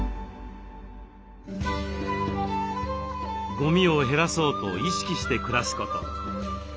ゴミを減らそうと意識して暮らすこと。